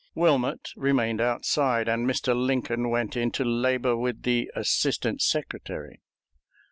Wilmot remained outside, and Mr. Lincoln went in to labor with the Assistant Secretary.